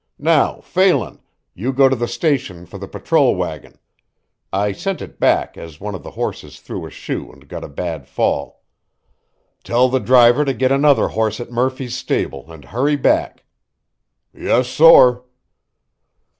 "Now, Phelan, you go to the station for the patrol wagon. I sent it back, as one of the horses threw a shoe and got a bad fall. Tell the driver to get another horse at Murphy's stable and hurry back." "Yes sorr."